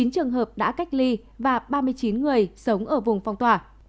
chín trường hợp đã cách ly và ba mươi chín người sống ở vùng phong tỏa